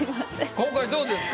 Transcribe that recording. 今回どうですか？